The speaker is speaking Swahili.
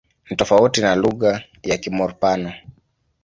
Ni tofauti na lugha ya Kimur-Pano.